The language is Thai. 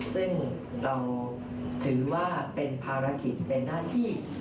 ซึ่งเราถือว่าเป็นภารกิจเป็นหน้าที่